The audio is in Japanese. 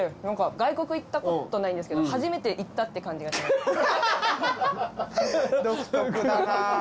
何か外国行ったことないんですけど初めて行ったって感じがします。